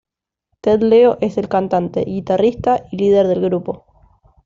Ted Leo es el cantante, guitarrista y líder del grupo.